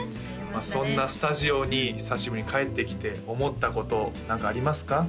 そんなスタジオに久しぶりに帰ってきて思ったこと何かありますか？